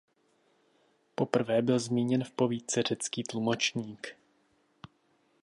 Poprvé byl zmíněn v povídce Řecký tlumočník.